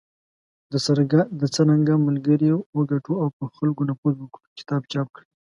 د"څرنګه ملګري وګټو او په خلکو نفوذ وکړو" کتاب چاپ کړ .